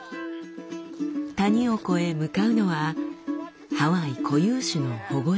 谷を越え向かうのはハワイ固有種の保護エリア。